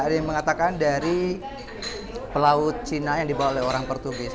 ada yang mengatakan dari pelaut cina yang dibawa oleh orang portugis